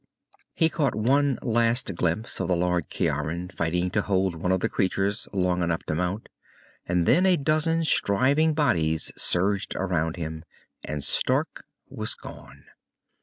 He caught one last glimpse of the Lord Ciaran, fighting to hold one of the creatures long enough to mount, and then a dozen striving bodies surged around him, and Stark was gone.